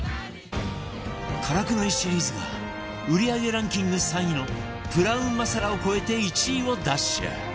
辛くないシリーズが売り上げランキング３位のプラウンマサラを超えて１位を奪取